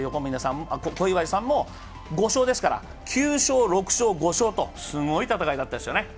小祝さんも５勝ですから、９勝、６勝、５勝とすごい戦いだったですよね。